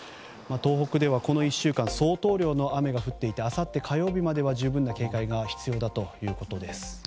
東北ではこの１週間相当量の雨が降っていてあさって火曜日までは十分な警戒が必要だということです。